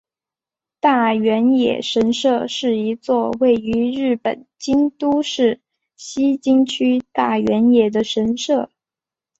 大原野神社是一座位于日本京都市西京区大原野的神社。